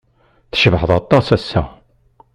Tcebḥed aṭas ass-a.